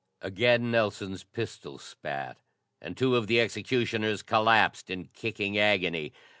Again Nelson's pistol spat, and two of the executioners collapsed in kicking agony.